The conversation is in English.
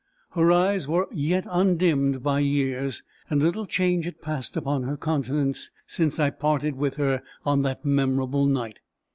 Her eyes were yet undimmed by years, and little change had passed upon her countenance since I parted with her on that memorable night.